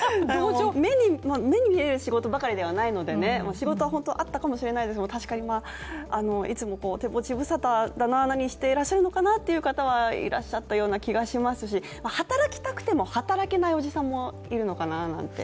目に見える仕事ばかりではないので仕事は本当にあったかもしれないですが、確かに、いつも手持ち無沙汰だな、何していらっしゃるのかなという方はいらっしゃったような気がしますし、働きたくても働けないおじさんもいるのかななんて。